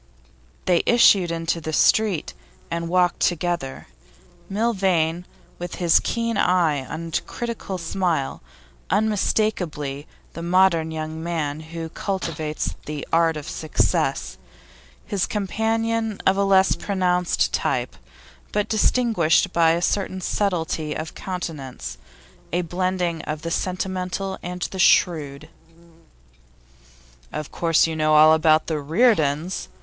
They issued into the street, and walked on together; Milvain, with his keen eye and critical smile, unmistakably the modern young man who cultivates the art of success; his companion of a less pronounced type, but distinguished by a certain subtlety of countenance, a blending of the sentimental and the shrewd. 'Of course you know all about the Reardons?